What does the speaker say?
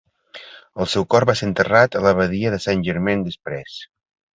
El seu cor va ser enterrat a l'Abadia de Saint-Germain-des-Prés.